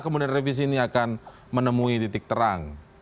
kemudian revisi ini akan menemui titik terang